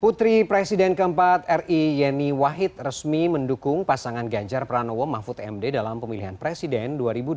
putri presiden keempat ri yeni wahid resmi mendukung pasangan ganjar pranowo mahfud md dalam pemilihan presiden dua ribu dua puluh